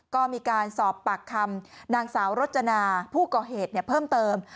ก็มีการสอบปากคำนางสาวรจนาผู้ก่อเหตุเพิ่มเติม